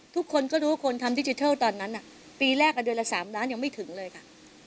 ทุกคนก็รู้คนทำดิจิทัลตอนนั้นปีแรกเดือนละ๓ล้านยังไม่ถึงเลยค่ะ